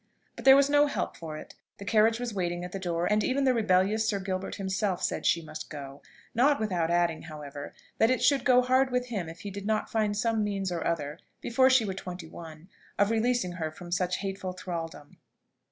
But there was no help for it. The carriage was waiting at the door, and even the rebellious Sir Gilbert himself said she must go, not without adding, however, that it should go hard with him if he did not find some means or other, before she were twenty one, of releasing her from such hateful thraldom.